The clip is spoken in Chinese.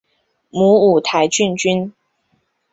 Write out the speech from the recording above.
母五台郡君。